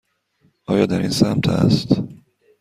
آیا در این سمت است؟